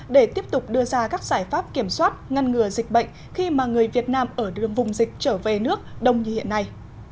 để tiếp tục đưa ra các giải pháp kiểm soát ngăn ngừa dịch bệnh khi mà người việt nam ở đường vùng dịch trở về nước đông như hiện nay